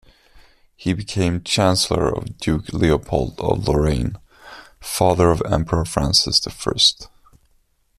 He became chancellor of duke Leopold of Lorraine, father of Emperor Francis the First.